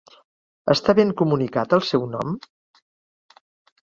Està ben comunicat el seu nom?